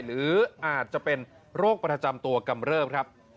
หรืออาจจะเป็นโรคประจำตัวกำเริบครับ